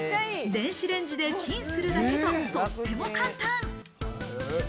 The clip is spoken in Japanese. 電子レンジでチンするだけと、とっても簡単。